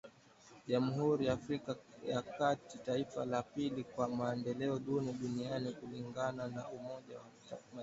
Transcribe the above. Jamhuri ya Afrika ya kati taifa la pili kwa maendeleo duni duniani kulingana na umoja wa mataifa